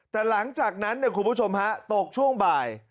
แต่หลังจากนั้นคุณผู้ชมฮะตกช่วงบ่าย